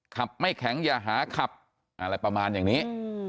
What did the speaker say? ไม่แข็งอย่าหาขับอะไรประมาณอย่างนี้